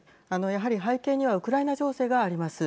やはり背景にはウクライナ情勢があります。